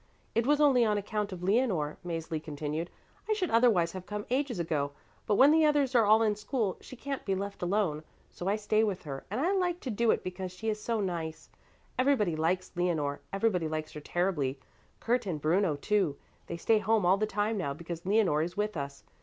"It was only on account of Leonore," Mäzli continued. "I should otherwise have come ages ago. But when the others are all in school she can't be left alone. So I stay with her and I like to do it because she is so nice. Everybody likes Leonore, everybody likes her terribly; Kurt and Bruno, too. They stay home all the time now because Leonore is with us.